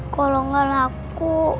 kalau gak laku